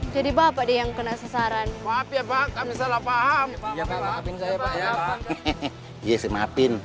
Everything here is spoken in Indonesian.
jadi bapak dia yang kena sasaran